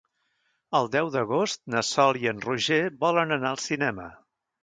El deu d'agost na Sol i en Roger volen anar al cinema.